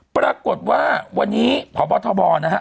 ปรากฏว่าวันนี้พบทบนะฮะ